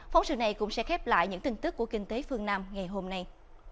phóng sự này cũng sẽ khép lại những tin tức của kinh tế phương nam ngày hôm nay